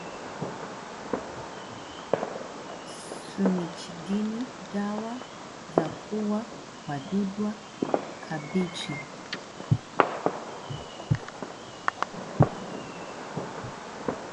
Sumicidinni dawa za kuuwa wadudwa kabichi